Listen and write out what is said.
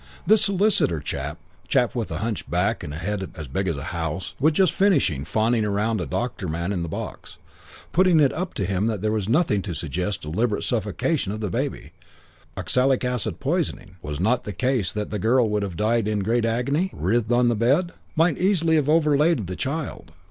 This solicitor chap chap with a humped back and a head as big as a house was just finishing fawning round a doctor man in the box, putting it up to him that there was nothing to suggest deliberate suffocation of the baby. Oxalic acid poisoning was it not the case that the girl would have died in great agony? Writhed on the bed? Might easily have overlaid the child?